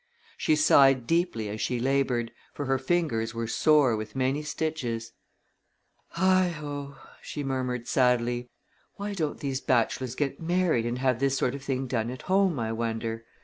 She sighed deeply as she labored, for her fingers were sore with many stitches. "Heigho!" she murmured, sadly. "Why don't these bachelors get married and have this sort of thing done at home, I wonder?